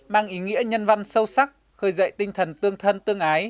mang ý nghĩa nhân văn sâu sắc khơi dậy tinh thần tương thân tương ái